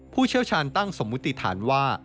เชี่ยวชาญตั้งสมมุติฐานว่า